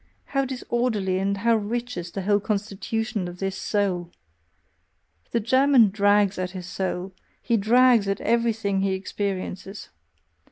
How disorderly and how rich is the whole constitution of this soul! The German DRAGS at his soul, he drags at everything he experiences.